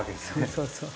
そうそうそう。